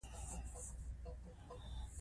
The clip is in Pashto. دولتي پورونه باید په وخت ادا شي.